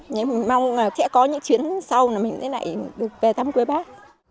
nhưng mình mong là sẽ có những chuyến sau là mình sẽ lại được về thăm quê bác